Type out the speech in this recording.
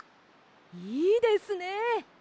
いいですね。